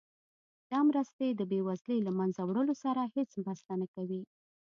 دا مرستې د بیوزلۍ د له مینځه وړلو سره هیڅ مرسته نه کوي.